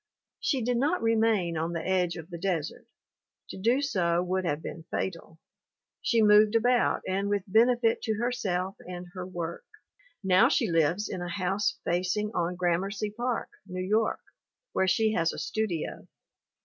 She did not remain on the edge of the desert. To do so would have been fatal. She moved about and with benefit to herself and her work. Now she lives in a house facing on Gramercy Park, New York, where she has a studio.